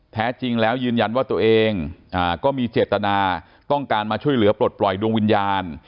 แท้จริงแล้วยืนยันว่าตัวเองก็มีเจตนาต้องการมาช่วยเหลือปลดปล่อยดวงวิญญาณ